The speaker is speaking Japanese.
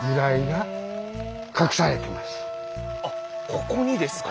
あっここにですか。